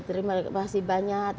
terima kasih banyak